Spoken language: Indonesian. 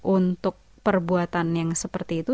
untuk perbuatan yang seperti itu